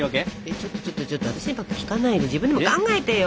ちょっとちょっとちょっと私にばっかり聞かないで自分でも考えてよ。